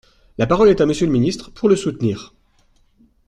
La parole est à Monsieur le ministre, pour le soutenir.